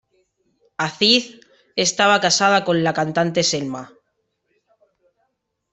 Aziz estaba casado con la cantante Selma.